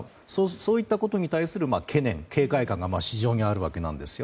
そういったことに対する懸念警戒感が市場にあるわけなんです。